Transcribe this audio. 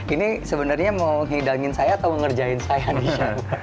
ini sebenarnya mau hidangin saya atau mengerjain saya andrian